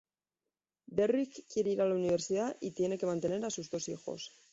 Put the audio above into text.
Derrick quiere ir a la universidad y tiene que mantener a sus dos hijos.